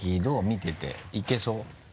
見てていけそう？